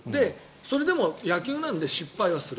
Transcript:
それでも野球なので失敗する。